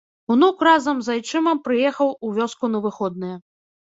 Унук разам з айчымам прыехаў у вёску на выходныя.